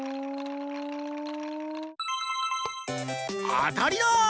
あたりだ！